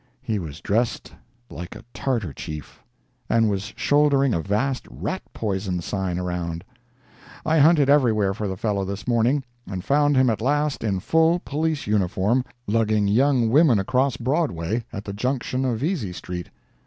He was dressed like a Tartar chief, and was shouldering a vast rat poison sign around. I hunted everywhere for the fellow this morning, and found him at last in full police uniform, lugging young women across Broadway, at the junction of Vesey street.